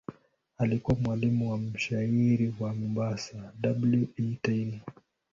Alikuwa mwalimu wa mshairi wa Mombasa W. E. Taylor.